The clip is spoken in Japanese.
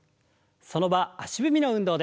その場足踏みの運動です。